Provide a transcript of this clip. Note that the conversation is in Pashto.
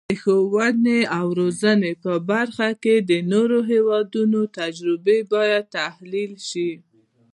د ښوونې او روزنې په برخه کې د نورو هیوادونو تجربې باید تحلیل شي.